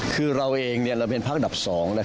คือเราเองเราเป็นพักอันดับ๒